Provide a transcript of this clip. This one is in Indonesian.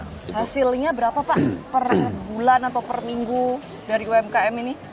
hasilnya berapa pak per bulan atau per minggu dari umkm ini